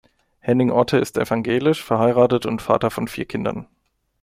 Henning Otte ist evangelisch, verheiratet und Vater von vier Kindern.